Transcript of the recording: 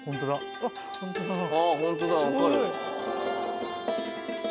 あホントだ分かる。